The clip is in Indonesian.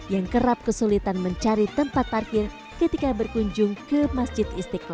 yang kerap kesulitan mencari tempat parkir ketika berkunjung ke masjid istiqlal